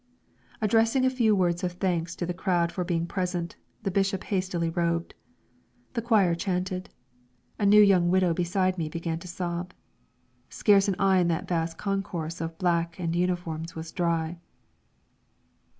Addressing a few words of thanks to the crowd for being present, the bishop hastily robed. The choir chanted. A new young widow beside me began to sob. Scarce an eye in that vast concourse of black and uniforms was dry.